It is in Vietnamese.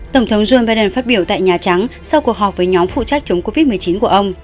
tổng thống joe biden phát biểu tại nhà trắng sau cuộc họp với nhóm phụ trách chống covid một mươi chín của ông